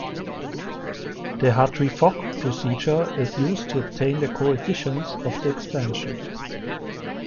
The Hartree-Fock procedure is used to obtain the coefficients of the expansion.